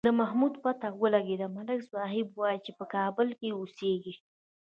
د محمود پته ولگېده، ملک صاحب وایي چې په کابل کې اوسېږي.